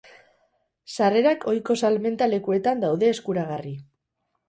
Sarrerak ohiko salmenta lekuetan daude eskuragarri.